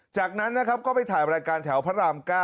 จากนั้นนะครับก็ไปถ่ายรายการแถวพระราม๙